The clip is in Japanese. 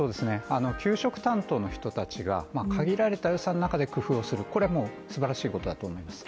給食担当の人たちが限られた予算の中で工夫をするこれはもう素晴らしいことだと思います。